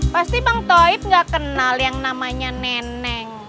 pasti bang toib gak kenal yang namanya neneng